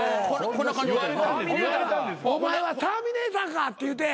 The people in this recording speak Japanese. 「お前はターミネーターか！」って言うて。